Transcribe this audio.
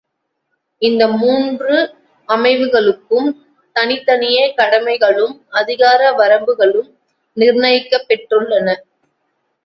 இந்த மூன்று அமைவுகளுக்கும் தனித்தனியே கடமைகளும், அதிகார வரம்புகளும் நிர்ணயிக்கப் பெற்றுள்ளன.